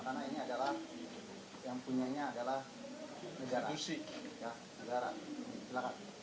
karena ini adalah yang punya nya adalah negara